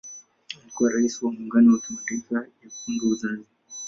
Alikuwa pia Rais wa Muungano ya Kimataifa ya Kupanga Uzazi.